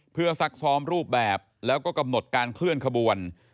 เพื่อซักซ้อมรูปแบบแล้วก็กำหนดการเคลื่อนขบวน